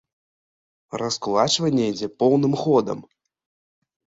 А раскулачванне ідзе поўным ходам!